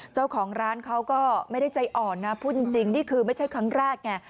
เจ้าของร้านเขาก็ไม่ได้ใจอ่อนนะพูดจริงนี่คือไม่ใช่ครั้งแรกไง